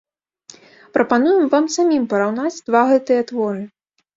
Прапануем вам самім параўнаць два гэтыя творы.